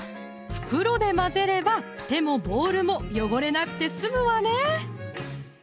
袋で混ぜれば手もボウルも汚れなくて済むわね